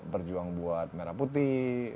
berjuang buat merah putih